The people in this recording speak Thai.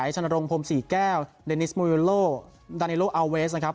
ชนรงพรมศรีแก้วเดนิสมูรินโลดาเนโลอาเวสนะครับ